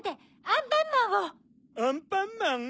アンパンマン？